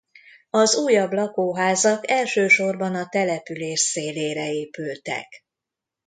Az újabb lakóházak elsősorban a település szélére épültek.